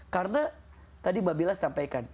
karena tadi mbak mila sampaikan